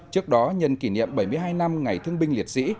trước đó nhân kỷ niệm bảy mươi hai năm ngày thương binh liệt sĩ